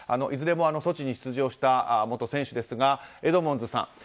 いずれもソチに出場した元選手ですがエドモンズさん。